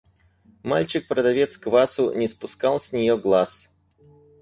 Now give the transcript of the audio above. Мальчик, продавец квасу, не спускал с нее глаз.